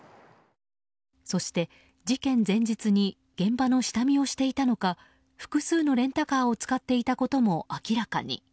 そして、事件前日に現場の下見をしていたのか複数のレンタカーを使っていたことも明らかに。